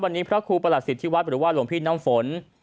วันนี้พระครูประหัสสิทธิวัฒน์หรือว่าหลวงพี่น้ำฝน